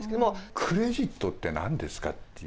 クレジットって何ですかっていう。